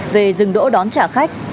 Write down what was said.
về dừng đỗ đón trả khách